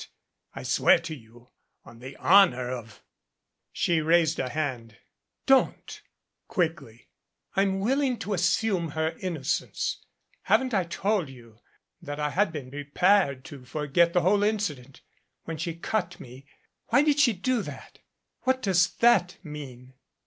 I swear to you on the honor of " She raised a hand. "Don't !" quickly. "I'm willing to assume her inno cence. Haven't I told you that I had been prepared to forget the whole incident when she cut me. Why did she do that? What does that mean?"